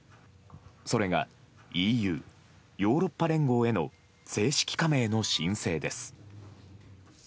それがＥＵ・ヨーロッパ連合への正式加盟の申請です。